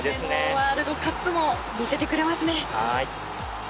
ワールドカップでも見せてくれますね。